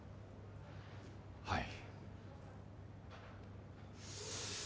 はい。